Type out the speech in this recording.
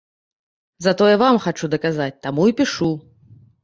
Затое вам хачу даказаць, таму і пішу.